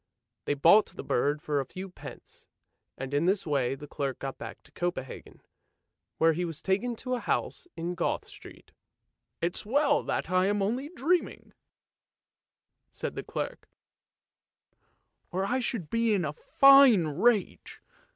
They bought the bird for a few pence, and in this way the clerk got back to Copenhagen, where he was taken to a house in Goth Street. " It's well that I'm only dreaming," said the clerk, " or I should be in a fine rage!